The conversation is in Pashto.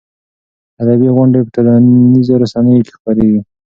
ادبي غونډې په ټولنیزو رسنیو کې خپرېږي.